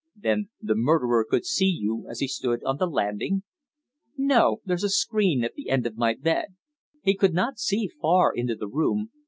"Then the murderer could see you as he stood on the landing?" "No. There's a screen at the end of my bed. He could not see far into the room.